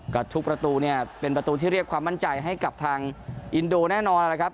ก็ทุกประตูเนี่ยเป็นประตูที่เรียกความมั่นใจให้กับทางอินโดแน่นอนนะครับ